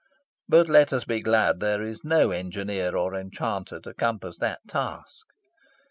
But let us be glad there is no engineer or enchanter to compass that task.